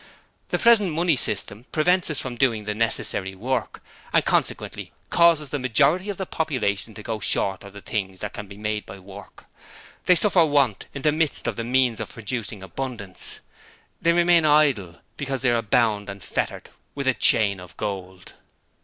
'The present Money System prevents us from doing the necessary work, and consequently causes the majority of the population to go short of the things that can be made by work. They suffer want in the midst of the means of producing abundance. They remain idle because they are bound and fettered with a chain of gold.